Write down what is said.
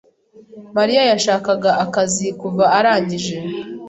Mariya yashakaga akazi kuva arangije.